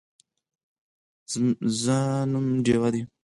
زه نوم ډیوه دی